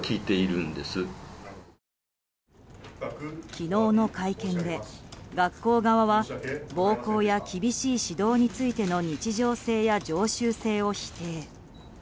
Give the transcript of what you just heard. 昨日の会見で学校側は暴行や厳しい指導についての日常性や常習性を否定。